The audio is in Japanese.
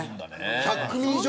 １００組以上！